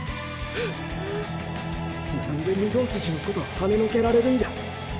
何で御堂筋のことはねのけられるんや。